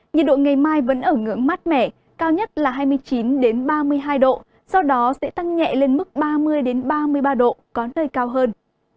nhiệt độ ngày mai vẫn ở ngưỡng mát mẻ cao nhất là hai mươi chín ba mươi hai độ sau đó sẽ tăng nhẹ lên mức ba mươi ba mươi ba độ có nơi cao hơn